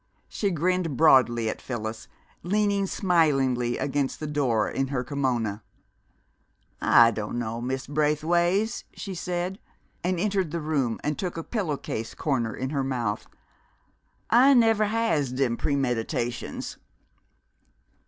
She grinned broadly at Phyllis, leaning smilingly against the door in her kimona. "Ah dunno, Miss Braithways," she said, and entered the room and took a pillow case corner in her mouth. "Ah never has dem premeditations!"